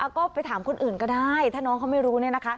ก็ไปถามคนอื่นก็ได้ถ้าน้องเขาไม่รู้เนี่ยนะคะ